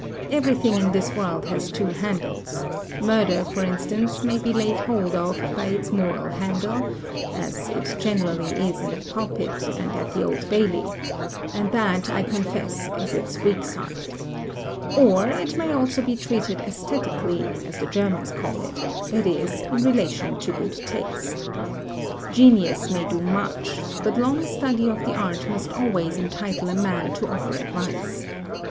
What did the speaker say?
Everything in this world has two handles, Murder, for instance, may be laid hold of by its moral handle (as it generally is in the pulpit, and at the Old Bailey); and that, I confess, is its weak side; or it may also be treated aesthetically, as the Germans call it — that is, in relation to good taste. Genius may do much, but long study of the art must always entitle a man to offer advice.